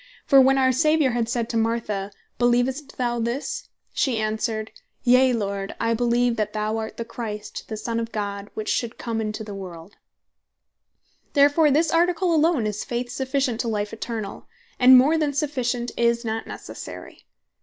For when our Saviour (verse 26.) had said to Martha, "Beleevest thou this?" she answereth (verse 27.) "Yea Lord, I beleeve that thou art the Christ, the Son of God, which should come into the world;" Therefore this Article alone is faith sufficient to life eternall; and more than sufficient is not Necessary.